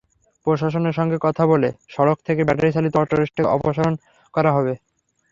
প্রশাসনের সঙ্গে কথা বলে সড়ক থেকে ব্যাটারিচালিত অটোরিকশা অপসারণ করা হবে।